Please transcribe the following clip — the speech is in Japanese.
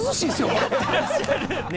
これ。